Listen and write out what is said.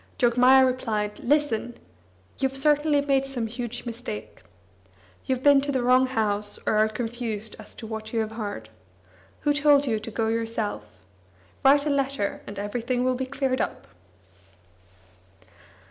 Jogmaya replied: "Listen! You've certainly made some huge mistake. You've been to the wrong house, or are confused as to what you have heard. Who told you to go yourself? Write a letter, and everything will be cleared up."